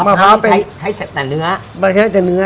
มาภาวนี่ใช้เสร็จแต่เนื้อ